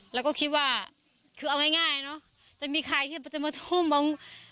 แล้วก็คิดว่าคือเอาง่ายเนอะจะมีใครที่จะมาทุ่มมอง